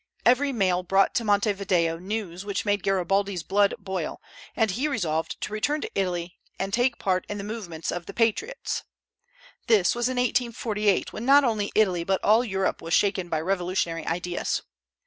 Every mail brought to Montevideo news which made Garibaldi's blood boil, and he resolved to return to Italy and take part in the movements of the patriots. This was in 1848, when not only Italy but all Europe was shaken by revolutionary ideas.